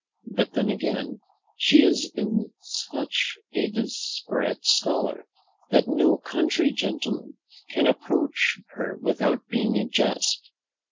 But then again, she is such a desperate scholar, that no country gentleman can approach her without being a jest.